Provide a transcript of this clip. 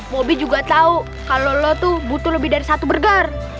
bobi juga tahu kalau lo tuh butuh lebih dari satu burger